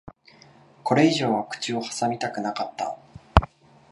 これ以上は口を挟みたくなかった。